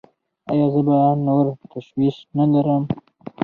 ایا زه به نور تشویش نلرم؟